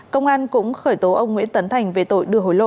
công an cũng khởi tố ông nguyễn tấn thành về tội đưa hối lộ